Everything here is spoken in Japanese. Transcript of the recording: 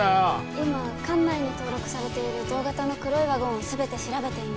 今管内に登録されている同型の黒いワゴンを全て調べていまして。